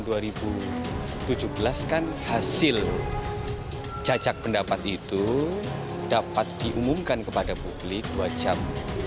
dan hasil cacat pendapat itu dapat diumumkan kepada publik buat siap